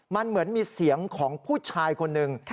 มันเหมือนมีเสียงของผู้ชายคนหนึ่ง